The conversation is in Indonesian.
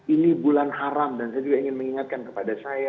ini bulan haram dan saya juga ingin mengingatkan kepada saya